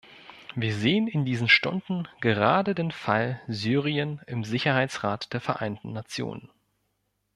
Wir sehen in diesen Stunden gerade den Fall Syrien im Sicherheitsrat der Vereinten Nationen.